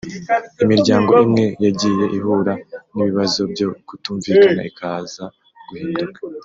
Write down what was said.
Imiryango imwe yagiye ihura n’ibibazo byo kutumvikana ikaza guhinduka